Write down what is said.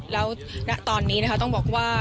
แล้วณตอนนี้นะคะต้องบอกว่า